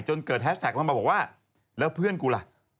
จนเกิดแฮชแท็กลงมาบอกว่าแล้วเพื่อนกูล่ะ